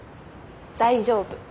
大丈夫。